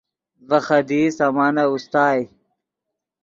ڤے خدیئی سامانف اوستائے